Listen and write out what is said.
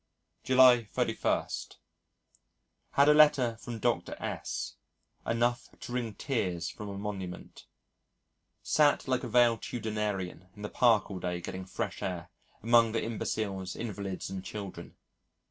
July 31. Had a letter from Dr. S enough to wring tears from a monument. Sat like a valetudinarian in the Park all day getting fresh air among the imbeciles, invalids, and children.